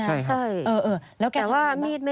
ใช่ค่ะ